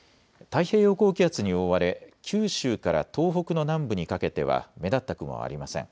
太平洋高気圧に覆われ九州から東北の南部にかけては目立った雲はありません。